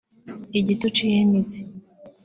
igiti uciye imizi